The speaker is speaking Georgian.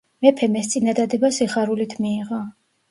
მეფემ ეს წინადადება სიხარულით მიიღო.